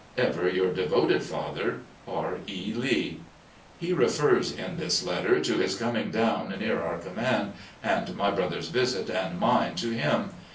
" Ever your devoted father, "R. E. Lee." He refers in this letter to his coming down near our command, and my brother's visit and mine to him.